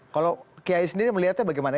kalau kiai sendiri melihatnya bagaimana